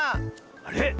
あれ？